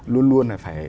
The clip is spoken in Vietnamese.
luôn luôn là phải